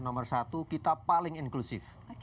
nomor satu kita paling inklusif